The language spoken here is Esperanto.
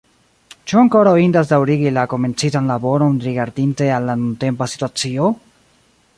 Ĉu ankoraŭ indas daŭrigi la komencitan laboron rigardinte al la nuntempa situacio?